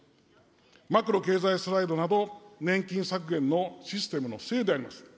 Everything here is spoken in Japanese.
マクロ経済スライドなど、年金削減のシステムのせいであります。